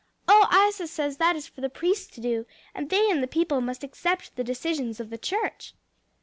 "Oh, Isa says that is for the priests to do; and they and the people must accept the decisions of the church."